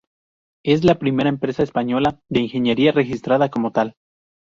Es la primera empresa española de ingeniería registrada como tal.